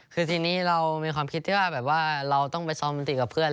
คือทีนี้เรามีความคิดที่ว่าแบบว่าเราต้องไปซ้อมดนตรีกับเพื่อน